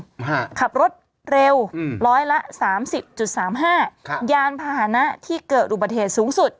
ฮะขับรถเร็วอืมร้อยละสามสิบจุดสามห้าครับยานพาหนะที่เกิดอุบัติเหตุสูงสุด